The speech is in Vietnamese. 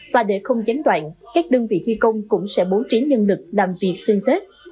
và để không gián đoạn các đơn vị thi công cũng sẽ bố trí nhân lực làm việc xuyên tết